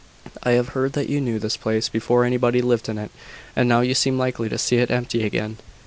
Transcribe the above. "I have heard that you knew this place before anybody lived in it: and now you seem likely to see it empty again."